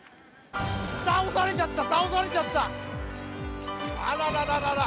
倒されちゃった倒されちゃったあららららら